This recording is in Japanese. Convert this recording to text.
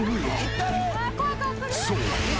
［そう。